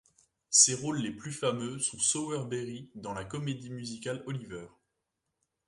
Ses rôles les plus fameux sont Sowerberry dans la comédie musicale Oliver!